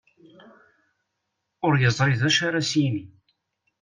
Ur yeẓri d acu ara as-yini.